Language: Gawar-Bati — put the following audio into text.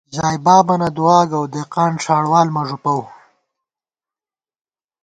ژائے بابَنہ دُعاگوؤ ، دېقان ݭاڑ وال مہ ݫُوپَو